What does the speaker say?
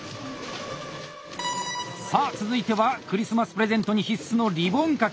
さあ続いてはクリスマスプレゼントに必須のリボン掛け！